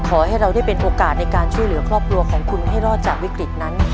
ขอให้เราได้เป็นโอกาสในการช่วยเหลือครอบครัวของคุณให้รอดจากวิกฤตนั้น